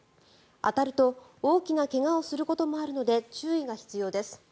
当たると大きな怪我をすることもあるので注意が必要です。